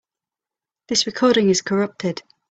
This recording is corrupted.